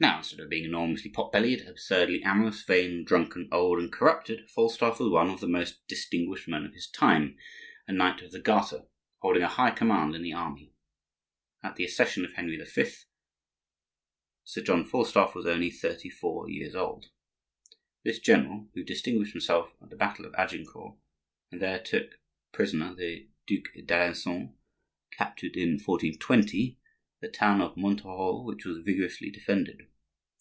Now, instead of being enormously pot bellied, absurdly amorous, vain, drunken, old, and corrupted, Falstaff was one of the most distinguished men of his time, a Knight of the Garter, holding a high command in the army. At the accession of Henry V. Sir John Falstaff was only thirty four years old. This general, who distinguished himself at the battle of Agincourt, and there took prisoner the Duc d'Alencon, captured, in 1420, the town of Montereau, which was vigorously defended.